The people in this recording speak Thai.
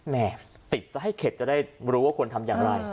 แม่ติดซะให้เข็ดจะได้รู้ว่าควรทำอย่างไร